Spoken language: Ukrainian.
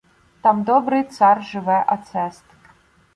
Там добрий цар живе Ацест.